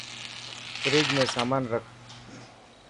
فريج ۾ سامان رک